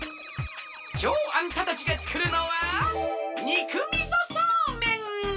きょうあんたたちがつくるのは肉みそそうめん！